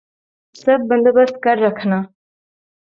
سب بندوبست کر رکھنا